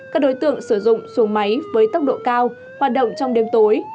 các đối tượng sử dụng xuồng máy với tốc độ cao hoạt động trong đêm tối